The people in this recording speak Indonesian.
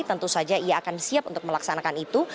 tentu saja ia akan siap untuk melaksanakan itu